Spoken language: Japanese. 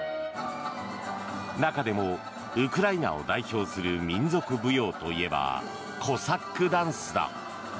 中でも、ウクライナを代表する民族舞踊といえばコサックダンスだ。